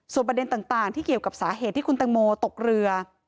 ประเด็นต่างที่เกี่ยวกับสาเหตุที่คุณตังโมตกเรือ